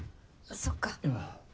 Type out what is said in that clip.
そっか。